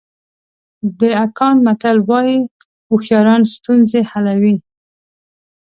د اکان متل وایي هوښیاران ستونزې حلوي.